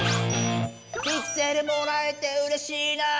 「ピクセルもらえてうれしいな」